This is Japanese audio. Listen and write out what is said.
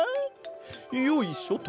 よいしょと。